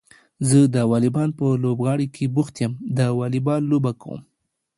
زه د واليبال په لوبغالي کې بوخت يم د واليبال لوبه کوم.